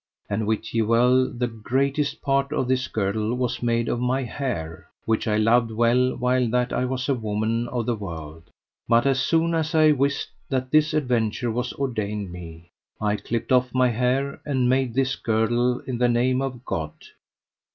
And wit ye well the greatest part of this girdle was made of my hair, which I loved well while that I was a woman of the world. But as soon as I wist that this adventure was ordained me I clipped off my hair, and made this girdle in the name of God.